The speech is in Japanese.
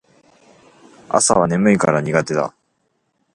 朝は眠いから苦手だ